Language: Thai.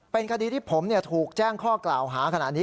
เป็นคดีที่ผมถูกแจ้งข้อกล่าวหาขณะนี้